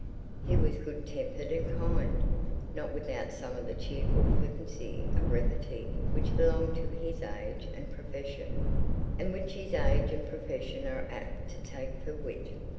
He was good tempered and kind; not without some of the cheerful flippancy of repartee which belonged to his age and profession, and which his age and profession are apt to take for wit.